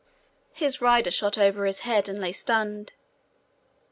His rider shot over his head and lay stunned.